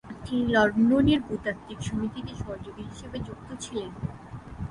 তিনি লন্ডনের ভূতাত্ত্বিক সমিতিতে সহযোগী হিসেবে যুক্ত ছিলেন।